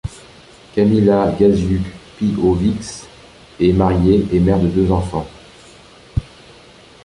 Kamila Gasiuk-Pihowicz est mariée et mère de deux enfants.